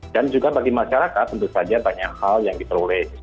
dan juga bagi masyarakat tentu saja banyak hal yang diperoleh